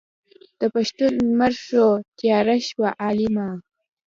د پښتون لمر شو تیاره تور عالمه.